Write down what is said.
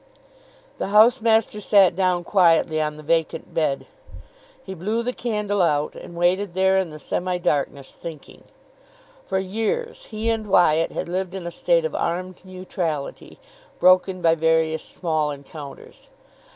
The house master sat down quietly on the vacant bed. He blew the candle out, and waited there in the semi darkness, thinking. For years he and Wyatt had lived in a state of armed neutrality, broken by various small encounters.